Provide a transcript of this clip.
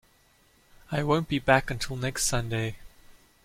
I won't be back until next Sunday.